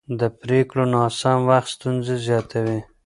د پرېکړو ناسم وخت ستونزې زیاتوي